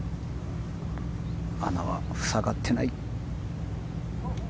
穴は塞がってない。